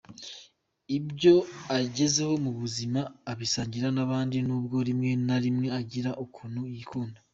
Ibyo agezeho mu buzima abisangira n’abandi nubwo rimwe na rimwe agira ukuntu yikunda.